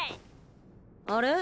あれ？